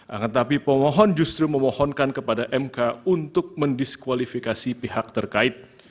akan tetapi pemohon justru memohonkan kepada mk untuk mendiskualifikasi pihak terkait